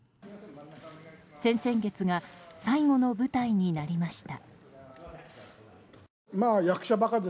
先々月が最後の舞台になりました。